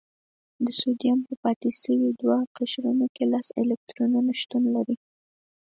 د سوډیم په پاتې شوي دوه قشرونو کې لس الکترونونه شتون لري.